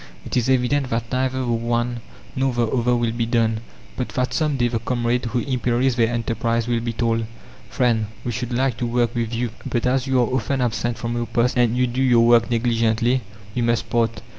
It is evident that neither the one nor the other will be done, but that some day the comrade who imperils their enterprise will be told: "Friend, we should like to work with you; but as you are often absent from your post, and you do your work negligently, we must part.